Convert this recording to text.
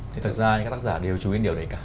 thì thật ra những các tác giả đều chú ý đến điều đấy cả